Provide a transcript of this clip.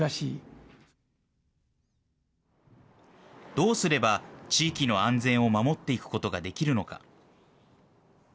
どうすれば地域の安全を守っていくことができるのか。